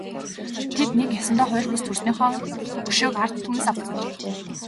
Тэд нэг ёсондоо хууль бус төрснийхөө өшөөг ард түмнээс авдаг байжээ.